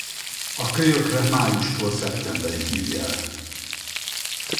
A kölyökre májustól szeptemberig ügyel.